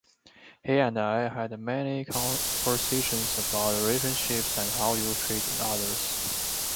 He and I had many conversations about relationships and how you treat others.